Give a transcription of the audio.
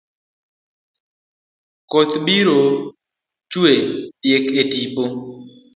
Koth biro twe diek e dipo.